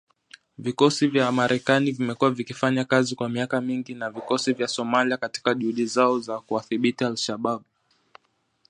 Vikosi vya Marekani vimekuwa vikifanya kazi kwa miaka mingi na vikosi vya Somalia katika juhudi zao za kuwadhibiti Al-Shabaab.